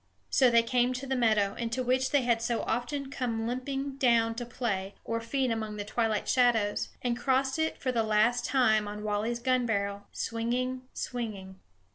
So they came to the meadow, into which they had so often come limping down to play or feed among the twilight shadows, and crossed it for the last time on Wally's gun barrel, swinging, swinging.